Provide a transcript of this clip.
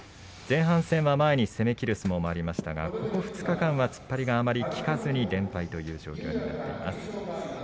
前半戦は前に攻めきる相撲もありましたが、ここ２日間は突っ張りがあまり効かずに連敗という状況になっています。